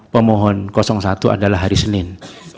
pemohon satu adalah hari senin